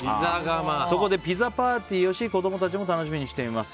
そこでピザパーティーをし子供たちも楽しみにしています。